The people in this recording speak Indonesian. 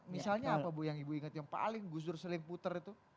penyanyi apa yang ibu inget yang paling gus dur seling puter itu